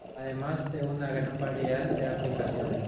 Además de una gran variedad de aplicaciones.